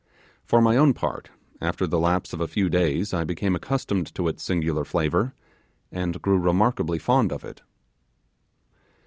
For my own part, after the lapse of a few days I became accustomed to its singular flavour, and grew remarkably fond of it.